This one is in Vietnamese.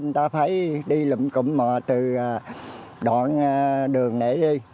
người ta phải đi lụm cụm mò từ đoạn đường này đi